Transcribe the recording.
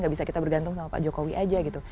gak bisa kita bergantung sama pak jokowi aja gitu